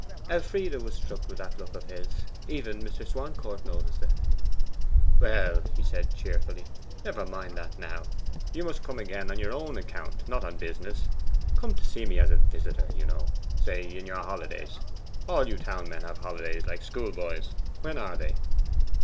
Elfride was struck with that look of his; even Mr. Swancourt noticed it. 'Well,' he said cheerfully, 'never mind that now. You must come again on your own account; not on business. Come to see me as a visitor, you know say, in your holidays all you town men have holidays like schoolboys. When are they?